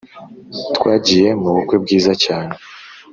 Twagiye mu bukwe bwiza cyane.